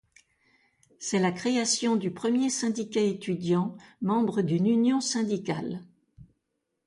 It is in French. C'est la création du premier syndicat étudiant membre d'une union syndicale.